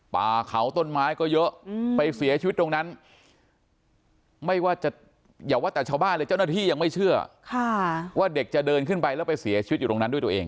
ป่าเขาต้นไม้ก็เยอะไปเสียชีวิตตรงนั้นไม่ว่าจะอย่าว่าแต่ชาวบ้านเลยเจ้าหน้าที่ยังไม่เชื่อว่าเด็กจะเดินขึ้นไปแล้วไปเสียชีวิตอยู่ตรงนั้นด้วยตัวเอง